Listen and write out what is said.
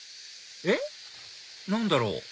えっ何だろう？